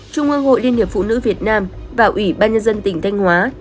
trung ương hội liên hiệp phụ nữ việt nam và ủy ban nhân dân tỉnh thanh hóa